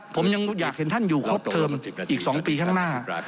ผมยังอยากเห็นท่านอยู่ครบเทิมอีก๒ปีข้างหน้า